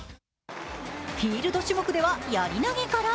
フィールド種目ではやり投げから。